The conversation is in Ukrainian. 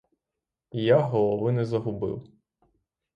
І я голови не загубив.